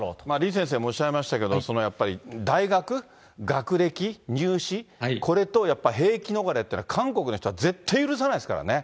李先生もおっしゃいましたけど、そのやっぱり大学、学歴、入試、これとやっぱり兵役逃れというのは韓国の人は絶対許さないですからね。